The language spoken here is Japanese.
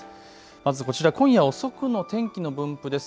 まずこちら今夜遅くの天気の分布です。